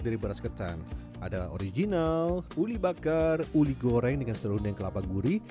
dari beras ketan adalah original uli bakar uli goreng dengan serundeng kelapa gurih